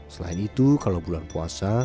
selain itu kalau bulan puasa